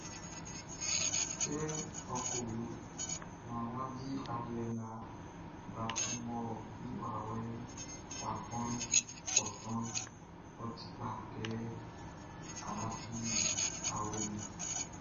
Kɛ ɔ ko yo naan wʼa di aliɛ nga bla kun mɔ i wawɛʼn wʼa tɔʼn, ɔ tɔnʼn, ɔ ti kpa, kɛ n lafi awe nunʼn.